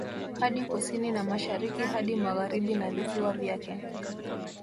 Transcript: Hadi Kusini na Mashariki hadi Magharibi na visiwa vyake